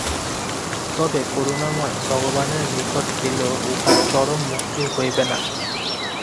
তবে করুণাময় ভগবানের নিকট গেলেও উহা চরম মুক্তি হইবে না।